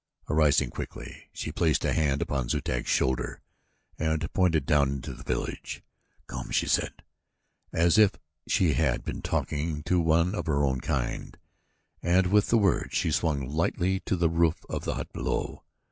Arising quickly she placed a hand upon Zu tag's shoulder and pointed down into the village. "Come," she said, as if she had been talking to one of her own kind, and with the word she swung lightly to the roof of the hut below.